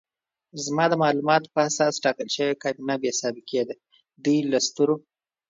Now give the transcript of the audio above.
زما د معلوماتو په اساس ټاکل شوې کابینه بې سابقې ده، دوی له سترو